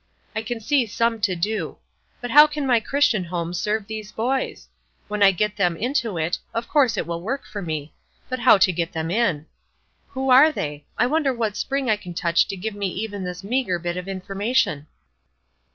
I can see some to do; but how can my Christian home serve these boys? When I get them into it, of course it will work for me; but how to get them in! Who are they? I wonder what spring I can touch to give me even this meagre bit of information?"